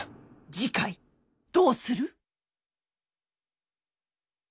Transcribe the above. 次回どうする？